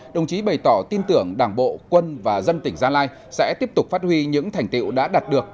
đồng chí bày tỏ tin tưởng đảng bộ quân và dân tỉnh gia lai sẽ tiếp tục phát huy những thành tiệu đã đạt được